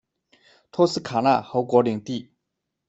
托斯卡纳侯国领地。